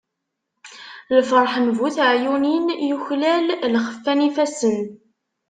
Lferḥ n bu teɛyunin, yuklal lxeffa n yifassen.